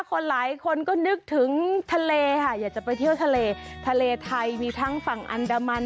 หลายคนก็นึกถึงทะเลค่ะอยากจะไปเที่ยวทะเลทะเลไทยมีทั้งฝั่งอันดามัน